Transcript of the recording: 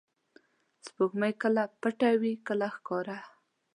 • سپوږمۍ کله پټه وي، کله ښکاره.